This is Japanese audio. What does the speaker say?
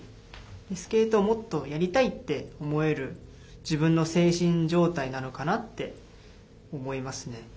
スケートをもっとやりたいと思える自分の精神状態なのかなと思いますね。